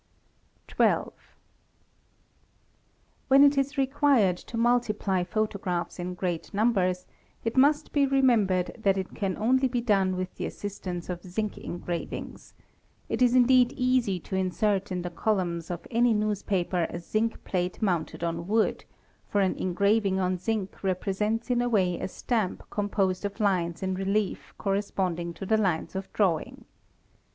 12. When it is required to multiply photographs in great naa it must be remembered that it can only be done with the assistance of © zinc engravings; it 1s indeed easy to insert in the columns of any newspaper a zinc plate mounted on wood, for an engraving on zine represents in a way a stamp composed of lines in relief corresponding to the lines of drawing.